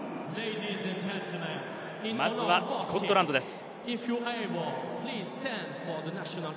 まずはスコットランドです。